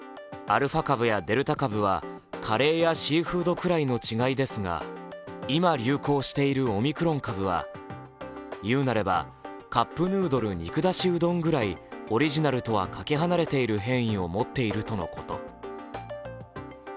アルファ株やデルタ株はカレーやシーフードくらいの違いですが今、流行しているオミクロン株は言うなればカップヌードル肉だしうどんぐらいオリジナルとはかけ離れている変異を持っているとのこと。